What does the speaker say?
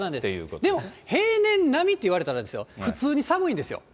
でも、平年並みといわれたらですよ、普通に寒いんですよ。